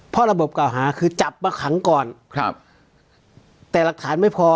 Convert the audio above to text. เพราะระบบเก่าหาคือจับมาขังก่อนครับแต่หลักฐานไม่พอ